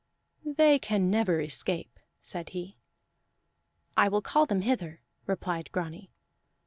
"They can never escape," said he. "I will call them hither," replied Grani.